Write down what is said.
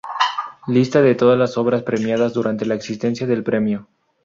Lista de todas las obras premiadas durante la existencia del premio.